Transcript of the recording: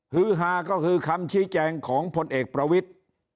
ฮือฮาก็คือคำชี้แจงของพลเอกประวิทธิ์